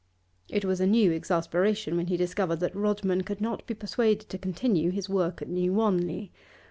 It was a new exasperation when he discovered that Rodman could not be persuaded to continue his work at New Wanley.